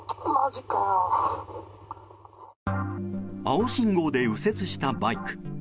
青信号で右折したバイク。